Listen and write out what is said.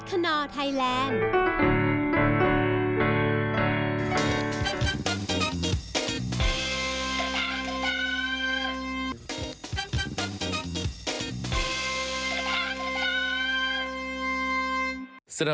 ออกมาอะไรหวะ